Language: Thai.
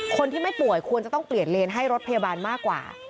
คนที่ไม่ป่วยควรจะต้องเปลี่ยนเลนให้รถพยาบาลมากกว่า